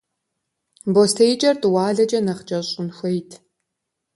БостеикӀэр тӀуалэкӀэ нэхъ кӀэщӀ щӀын хуейт.